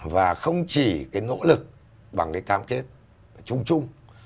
và không chỉ cái nỗ lực bằng cái cam kết chung chung